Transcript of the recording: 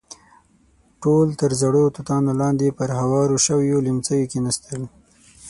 ټول تر زړو توتانو لاندې پر هوارو شويو ليمڅيو کېناستل.